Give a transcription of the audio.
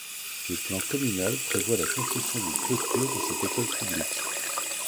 Le plan communal prévoit la construction d’une clôture dans cette école publique.